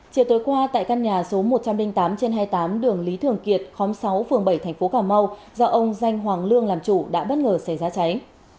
chiều tối qua tại căn nhà số một trăm linh tám trên hai mươi tám đường lý thường kiệt khóm sáu phường bảy thành phố cà mau do ông danh hoàng lương làm chủ đã bất ngờ xảy ra cháy